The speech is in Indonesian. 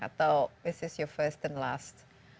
atau ini adalah perjalanan pertama dan terakhir